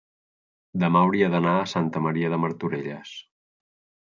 demà hauria d'anar a Santa Maria de Martorelles.